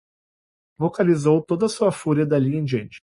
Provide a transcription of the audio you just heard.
Vocalizou toda a sua fúria dali em diante